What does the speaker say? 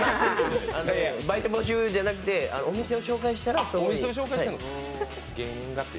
バイト募集じゃなくて、お店を紹介したら。